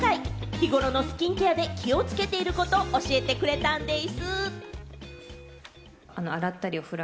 日頃のスキンケアで気をつけていることを教えてくれたんです。